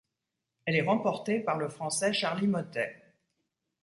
Elle est remportée par le Français Charly Mottet.